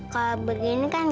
mama susah makannya